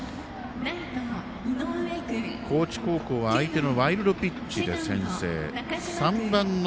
高知高校は相手のワイルドピッチで先制。